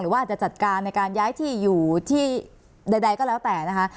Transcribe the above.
ว่าอาจจะจัดการในการย้ายที่อยู่ที่ใดก็แล้วแต่นะคะ